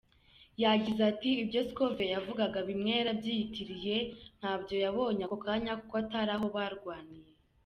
Yagize "Ibyo scovia yavugaga bimwe yarabyiyitiriye, ntabyo yabonye ako kanya kuko atari aho barwaniye.